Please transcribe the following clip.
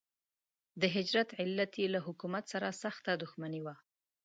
د هجرت علت یې له حکومت سره سخته دښمني وه.